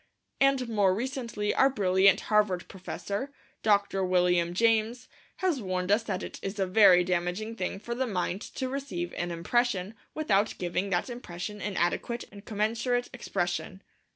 And, more recently, our brilliant Harvard Professor, Dr. William James, has warned us that it is a very damaging thing for the mind to receive an impression without giving that impression an adequate and commensurate expression.